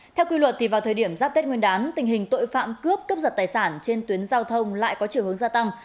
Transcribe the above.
theo quy luật vào thời điểm giáp tết nguyên đán tình hình tội phạm cướp cướp giật tài sản trên tuyến giao thông lại có chiều hướng gia tăng